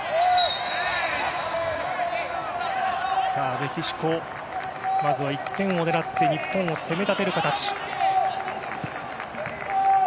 メキシコ、まずは１点を狙って日本を攻め立てる形。